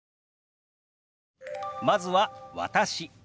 まずは「私」。